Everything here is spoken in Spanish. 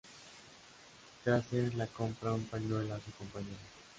Tracer le compra un pañuelo a su compañero.